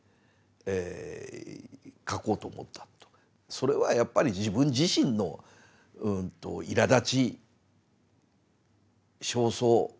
それはやっぱり自分自身のいらだち焦燥